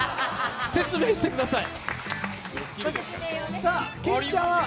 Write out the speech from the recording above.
説明してください。